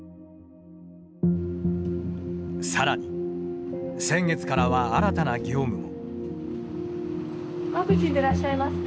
さらに、先月からは新たな業務も。